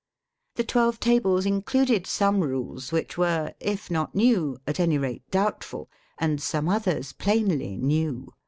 The Twelve Tables included some rules which were, if not new, at any rate doubtful, and some others plainly new.